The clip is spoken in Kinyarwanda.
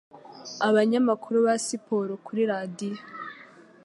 abanyamakuru ba siporo kuri radio